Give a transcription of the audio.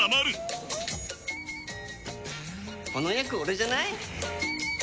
この役オレじゃない？